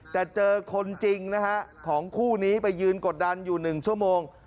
แต่เจอคนจริงนะฮะของคู่นี้ไปยืนกดดันอยู่๑ชั่วโมง